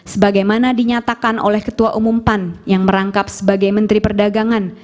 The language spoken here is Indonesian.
sebagaimana dinyatakan oleh ketua umum pan yang merangkap sebagai menteri perdagangan